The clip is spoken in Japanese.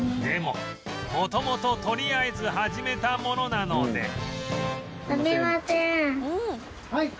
でも元々とりあえず始めたものなので